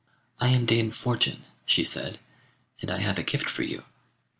'I am Dame Fortune,' she said, 'and I have a gift for you.